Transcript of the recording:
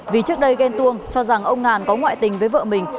vì trước đây ghen tuông cho rằng ông ngàn có ngoại tình với vợ mình